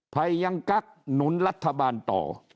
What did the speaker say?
ภัยยังกักหนุนรัฐบาลต่อ